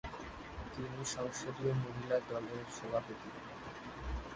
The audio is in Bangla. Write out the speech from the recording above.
তিনি সংসদীয় মহিলা দলের সভাপতি।